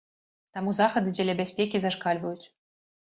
Таму захады дзеля бяспекі зашкальваюць.